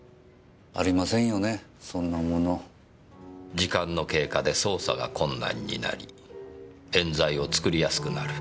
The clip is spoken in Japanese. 時間の経過で捜査が困難になり冤罪を作りやすくなる。